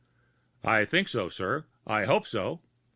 _ _I think so, sir. I hope so.